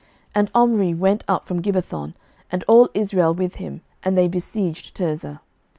11:016:017 And Omri went up from Gibbethon, and all Israel with him, and they besieged Tirzah.